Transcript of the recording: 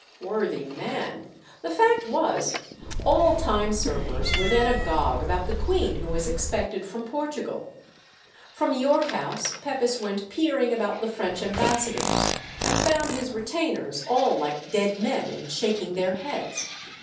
Worthy man! the fact was, all time servers were then agog about the queen who was expected from Portugal. From York House Pepys went peering about the French ambassador's, and found his retainers all like dead men and shaking their heads.